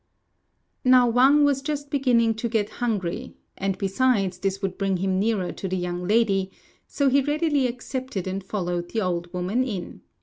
Now Wang was just beginning to get hungry, and, besides, this would bring him nearer to the young lady; so he readily accepted and followed the old woman in.